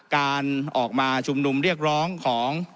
การออกมาชุมนุมเรียกร้องของ